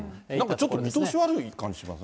なんかちょっと見通し悪い感じしますね。